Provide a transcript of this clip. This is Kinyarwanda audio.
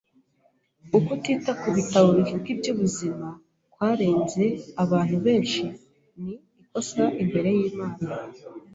Ukutita ku bitabo bivuga iby’ubuzima kwaranze abantu benshi ni ikosa imbere y’Imana.